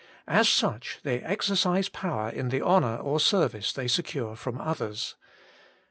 As such they exercise power in the honour or service they secure from others.